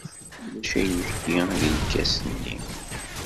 Ulac ayefki deg lkas-nni.